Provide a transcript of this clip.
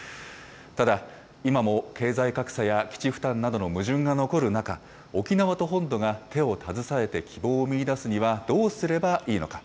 ただ、今も経済格差や基地負担などの矛盾が残る中、沖縄と本土が手を携えて希望を見いだすには、どうすればいいのか。